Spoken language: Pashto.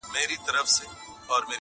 تا ته د جلاد له سره خنجره زندان څه ویل!.